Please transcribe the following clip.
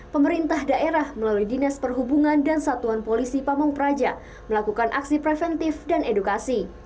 pemerintah daerah melalui dinas perhubungan dan satuan polisi pamung praja melakukan aksi preventif dan edukasi